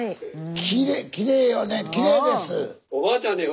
きれいきれいよねきれいです。